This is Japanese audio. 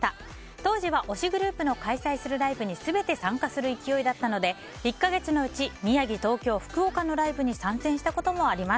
当時は推しグループの開催するライブに全て参加する勢いだったので１か月のうち宮城、東京、福岡のライブに参戦したこともあります。